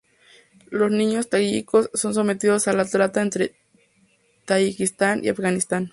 Los niños tayikos son sometidos a la trata entre Tayikistán y Afganistán.